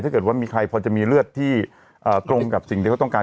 ถ้าเกิดว่ามีใครพอจะมีเลือดที่ตรงกับสิ่งที่เขาต้องการ